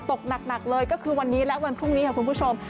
ตกหนักเลยก็คือวันนี้และวันพรุ่งนี้ค่ะคุณผู้ชม